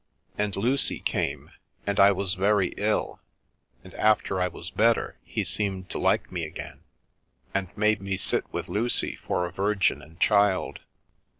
And Lucy came, and I was very ill, and after I was better, he seemed to like me again, and made me sit with Lucy for a Virgin and Child.